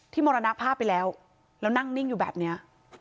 มรณภาพไปแล้วแล้วนั่งนิ่งอยู่แบบนี้